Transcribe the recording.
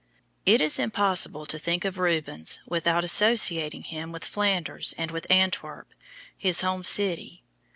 It is impossible to think of Rubens without associating him with Flanders and with Antwerp, his home city.